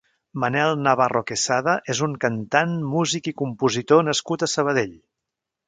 Manel Navarro Quesada és un cantant, music i compositor nascut a Sabadell.